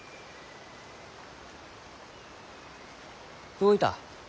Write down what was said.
どういた？